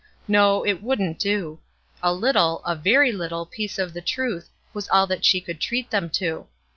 No; it wouldn't do! A little, a very little piece of the truth was all that she could treat them to.